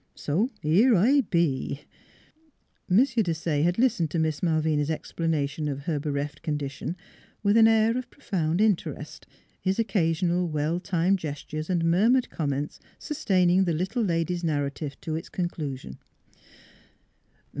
So here I be !" M. Desaye had listened to Miss Malvina's ex planation of her bereft condition with an air of profound interest, his occasional well timed ges tures and murmured comments sustaining the little lady's narrative to its conclusion.